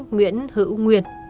nguyễn hữu nguyệt